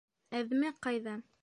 — Әҙме ҡайҙа?